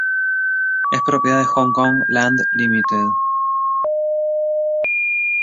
Es propiedad de Hongkong Land Limited.